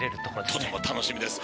とても楽しみです。